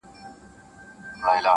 ورپسې مي اورېدلې له پوهانو -